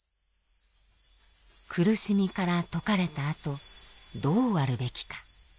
苦しみから解かれたあとどうあるべきか。